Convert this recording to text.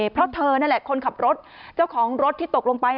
เพราะเธอนั่นแหละคนขับรถเจ้าของรถที่ตกลงไป